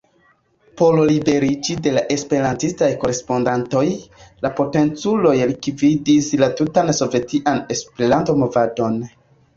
Por liberiĝi de la esperantistaj korespondantoj, la potenculoj likvidis la tutan Sovetian Esperanto-movadon.